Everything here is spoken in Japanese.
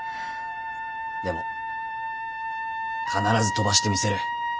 でも必ず飛ばしてみせる。